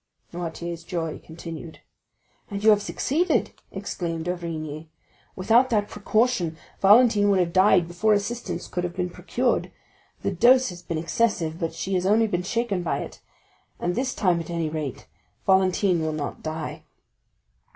Noirtier's joy continued. "And you have succeeded," exclaimed d'Avrigny. "Without that precaution Valentine would have died before assistance could have been procured. The dose has been excessive, but she has only been shaken by it; and this time, at any rate, Valentine will not die."